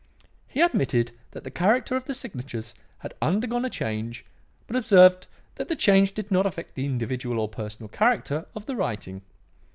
He admitted that the character of the signature had undergone a change, but observed that the change did not affect the individual or personal character of the writing.